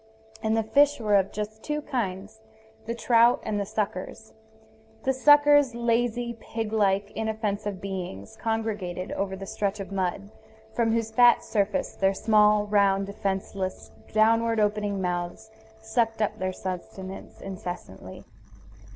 And the fish were of just two kinds, the trout and the suckers. The suckers, lazy, pig like, inoffensive beings, congregated over the stretch of mud, from whose fat surface their small, round, defenseless, downward opening mouths sucked up their sustenance incessantly.